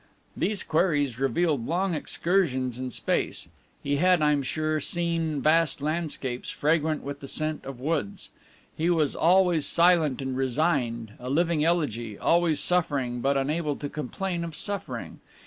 These queries revealed long excursions in space. He had, I am sure, seen vast landscapes, fragrant with the scent of woods. He was always silent and resigned, a living elegy, always suffering but unable to complain of suffering.